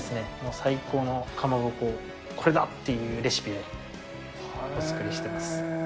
最高のかまぼこ、これだ！っていうレシピでお作りしてます。